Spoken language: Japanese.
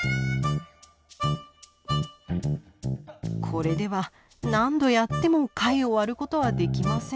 これでは何度やっても貝を割ることはできません。